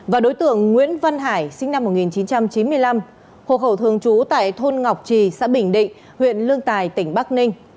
và đối tượng nguyễn văn hải sinh năm một nghìn chín trăm chín mươi năm hộ khẩu thường trú tại thôn ngọc trì xã bình định huyện lương tài tỉnh bắc ninh